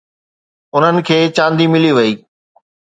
انهن کي چاندي ملي وئي.